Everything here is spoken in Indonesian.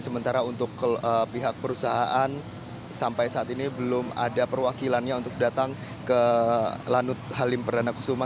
sementara untuk pihak perusahaan sampai saat ini belum ada perwakilannya untuk datang ke lanut halim perdana kusuma